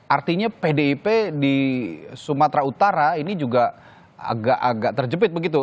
artinya pdip di sumatera utara ini juga agak agak terjepit begitu